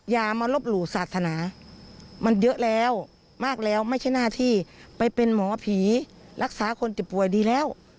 อย่ามาลบหลู่ศาสนามันเยอะแล้วมากแล้วไม่ใช่หน้าที่ไปเป็นหมอผีรักษาคนเจ็บป่วยดีแล้ว